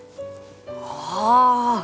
ああ！